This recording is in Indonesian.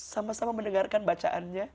sama sama mendengarkan bacaannya